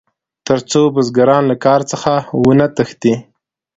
تر څو بزګران له کار څخه ونه تښتي.